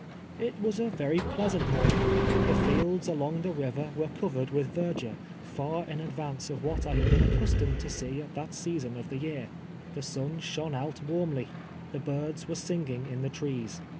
It was a very pleasant morning. Tlie fields along the river were covered with verdure, far in advance of Avhat I had been accnistomed to see at that seasoji of the year. The sun shone out warmly ; the birds were si]iging in the trees.